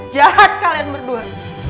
jahat kalian berdua